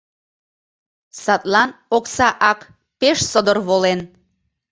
Садлан окса ак пеш содор волен.